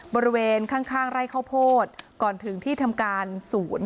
บริเวณข้างไร่ข้าวโพดก่อนถึงที่ทำการศูนย์